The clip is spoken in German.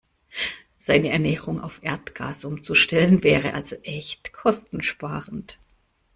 Seine Ernährung auf Erdgas umzustellen, wäre also echt kostensparend.